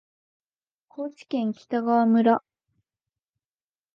高知県北川村